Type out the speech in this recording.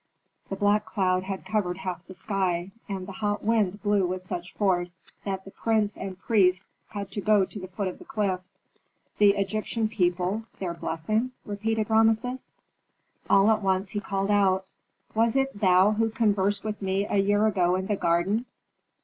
The black cloud had covered half the sky, and the hot wind blew with such force that the prince and priest had to go to the foot of the cliff. "The Egyptian people their blessing?" repeated Rameses. All at once he called out, "Was it thou who conversed with me a year ago in the garden?